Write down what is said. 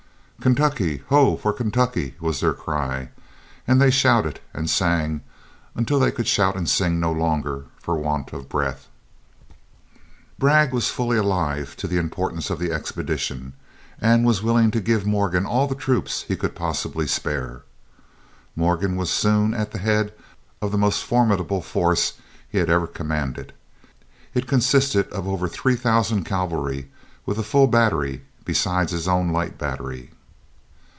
"Kentucky! Ho, for Kentucky!" was their cry, and they shouted and sang until they could shout and sing no longer for want of breath. Bragg was fully alive to the importance of the expedition, and was willing to give Morgan all the troops he could possibly spare. Morgan was soon at the head of the most formidable force he had ever commanded. It consisted of over three thousand cavalry, with a full battery, besides his own light battery.